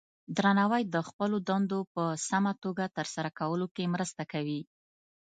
درناوی د خپلو دندو په سمه توګه ترسره کولو کې مرسته کوي.